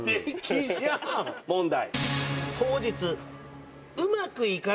問題。